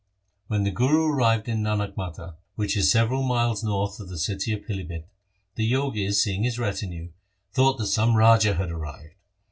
When the Guru arrived in Nanakmata, which is LIFE OF GURU HAR GOBIND 53 several miles north of the city of Pilibhit, the Jogis, seeing his retinue, thought that some raja had arrived.